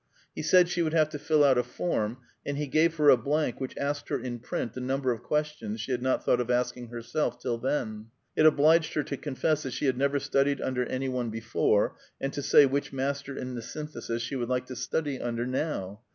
He said she would have to fill out a form, and he gave her a blank which asked her in print a number of questions she had not thought of asking herself till then. It obliged her to confess that she had never studied under any one before, and to say which master in the Synthesis she would like to study under, now.